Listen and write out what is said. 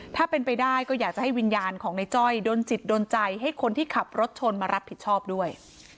ถ้าเป็นไปได้ก็อยากจะให้วิญญาณของในจ้อยโดนจิตโดนใจให้คนที่ขับรถชนมารับผิดชอบด้วย